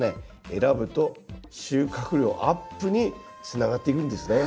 選ぶと収穫量アップにつながっていくんですね。